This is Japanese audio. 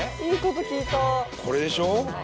これでしょ？